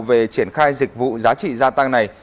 về triển khai dịch vụ giá trị gia tăng này